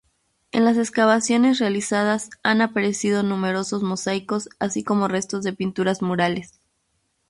En las excavaciones realizadas han aparecido numerosos mosaicos así como restos de pinturas murales.